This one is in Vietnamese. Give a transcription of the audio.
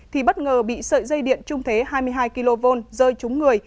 thì bất ngờ bị sợi dây điện trung thế hai mươi hai kv rơi trúng người